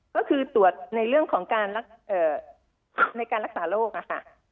ก็คือตรวจในเรื่องของการรักษาโรคค่ะ